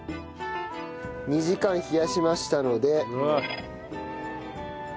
２時間冷やしましたので。